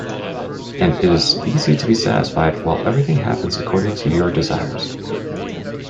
And it is easy to be satisfied while everything happens according to your desires.